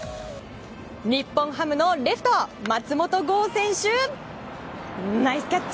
日本ハムのレフト松本剛選手、ナイスキャッチ！